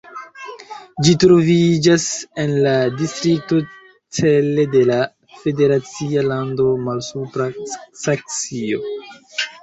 Ĝi troviĝas en la distrikto Celle de la federacia lando Malsupra Saksio.